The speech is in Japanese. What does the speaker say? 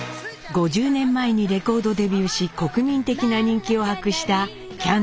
５０年前にレコードデビューし国民的な人気を博したキャンディーズ。